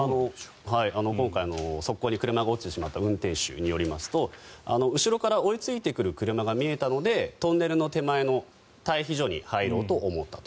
今回の側溝に車が落ちてしまった運転手によりますと後ろから追いついてくる車が見えたのでトンネル手前の待避所に入ろうと思ったと。